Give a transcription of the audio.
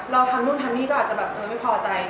เราทำนู่นทำนี่ก็อาจจะแบบเออไม่พอใจ